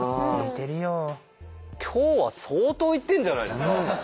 今日は相当いってるんじゃないですか。